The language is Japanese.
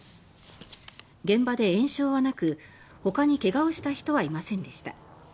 現場で延焼はなくほかに怪我をした人はいませんでした。